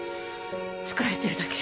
疲れてるだけ。